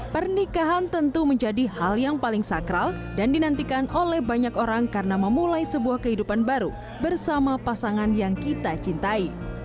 pernikahan tentu menjadi hal yang paling sakral dan dinantikan oleh banyak orang karena memulai sebuah kehidupan baru bersama pasangan yang kita cintai